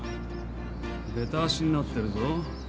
べた足になってるぞ。